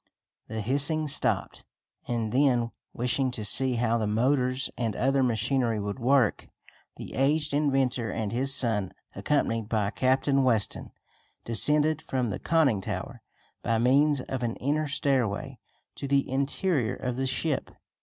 The hissing stopped, and then, wishing to see how the motors and other machinery would work, the aged inventor and his son, accompanied by Captain Weston, descended from the conning tower, by means of an inner stairway, to the interior of the ship.